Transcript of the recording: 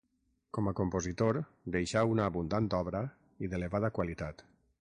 Com a compositor, deixà una abundant obra i d'elevada qualitat.